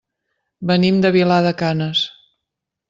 Venim de Vilar de Canes.